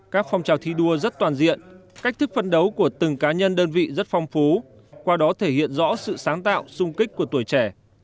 các phong trào thi đua rất toàn diện cách thức phân đấu của từng cá nhân đơn vị rất phong phú qua đó thể hiện rõ sự sáng tạo sung kích của tuổi trẻ